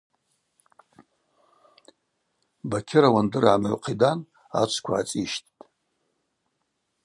Бакьыр ауандыр гӏамыгӏвхъидан ачвква ацӏищттӏ.